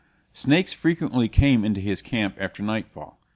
Snakes frequently came into his camp after nightfall.